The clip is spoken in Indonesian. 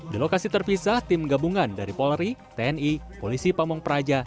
di lokasi terpisah tim gabungan dari polri tni polisi pamung praja